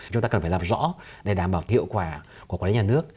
chúng ta cần phải làm rõ để đảm bảo hiệu quả của quản lý nhà nước